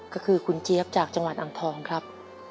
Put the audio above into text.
ก็คือคุณเจี๊ยบจากจังหวัดอังทองครับ